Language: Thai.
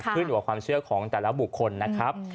ขึ้นอยู่กับความเชื่อของแต่ละบุคคลนะครับ